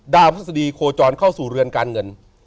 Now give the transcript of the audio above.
พฤษฎีโคจรเข้าสู่เรือนการเงิน